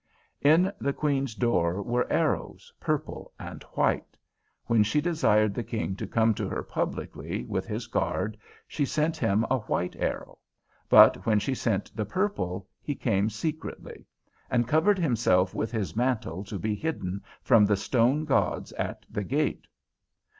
In the Queen's door were arrows, purple and white. When she desired the King to come to her publicly, with his guard, she sent him a white arrow; but when she sent the purple, he came secretly, and covered himself with his mantle to be hidden from the stone gods at the gate.